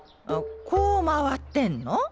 こう回ってんの？